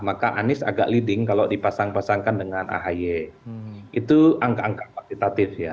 maka anies agak leading kalau dipasang pasangkan dengan ahy itu angka angka kualitatif ya